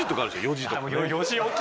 ４時とかね。